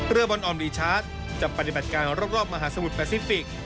เรือบนออมรีชะลจะปฏิบัติการล่อบมหาสมุทรแฟซิฟิกซ์